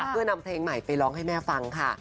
เพื่อนำเพลงใหม่ไปร้องให้แม่ฟังค่ะ